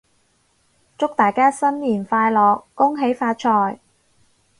祝大家新年快樂！恭喜發財！